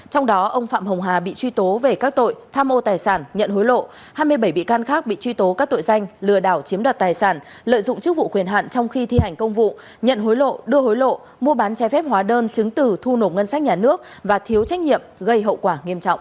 trong đó ông phạm hồng hà bị truy tố về các tội tham mô tài sản nhận hối lộ hai mươi bảy bị can khác bị truy tố các tội danh lừa đảo chiếm đoạt tài sản lợi dụng chức vụ quyền hạn trong khi thi hành công vụ nhận hối lộ đưa hối lộ mua bán trái phép hóa đơn chứng từ thu nộp ngân sách nhà nước và thiếu trách nhiệm gây hậu quả nghiêm trọng